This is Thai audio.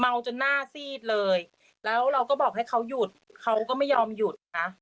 จนหน้าซีดเลยแล้วเราก็บอกให้เขาหยุดเขาก็ไม่ยอมหยุดนะคะ